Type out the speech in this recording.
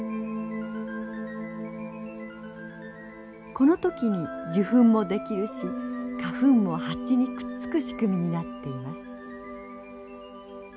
この時に受粉もできるし花粉もハチにくっつく仕組みになっています。